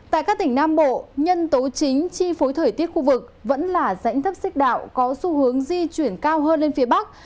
tại các tỉnh nam bộ nhân tố chính chi phối thời tiết khu vực vẫn là rãnh thấp xích đạo có xu hướng di chuyển cao hơn lên phía bắc